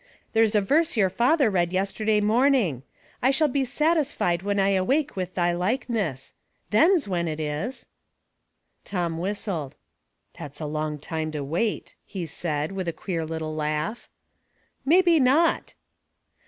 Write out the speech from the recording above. *' There's a verse your father read yesterday morning, * I shall be satisfied when I awake with thy likeness.' Then's when it is." Tom whistled. '' That's a long time to wait," he said, with a queer little laugh. " Maybe not."